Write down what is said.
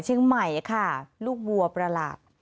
เชียงใหม่ค่ะลูกวัวประหลาด